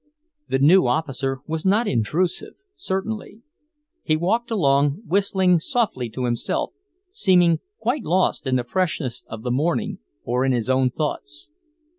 The new officer was not intrusive, certainly. He walked along, whistling softly to himself, seeming quite lost in the freshness of the morning, or in his own thoughts.